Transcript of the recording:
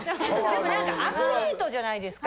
でもアスリートじゃないですか。